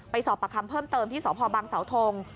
สอบประคำเพิ่มเติมที่สพบังเสาทง